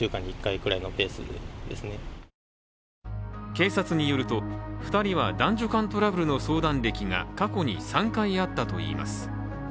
警察によると２人は、男女間トラブルの相談歴が過去に３回あったといいます。